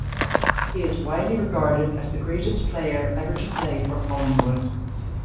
He is widely regarded as the greatest player ever to play for Collingwood.